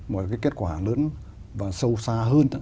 mà cái kết quả lớn và sâu xa hơn